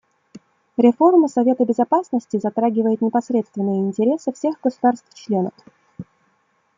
Реформа Совета Безопасности затрагивает непосредственные интересы всех государств-членов.